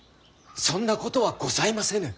そんなことはございませぬ。